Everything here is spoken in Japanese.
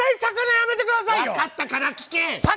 分かったから聞け。